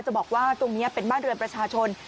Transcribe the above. บอกว่าตรงนี้เป็นบ้านเรือนประชาชน